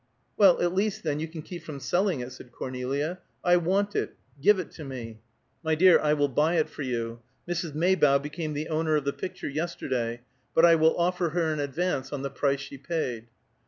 "Well, at least, then, you can keep from selling it," said Cornelia. "I want it; give it to me." "My dear, I will buy it for you. Mrs. Maybough became the owner of the picture, yesterday, but I will offer her an advance on the price she paid."